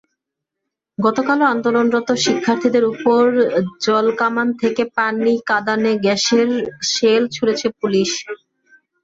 গতকালও আন্দোলনরত শিক্ষার্থীদের ওপর জলকামান থেকে পানি, কাঁদানে গ্যাসের শেল ছুড়েছে পুলিশ।